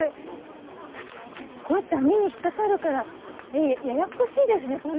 こうやって網に引っ掛かるからややこしいですね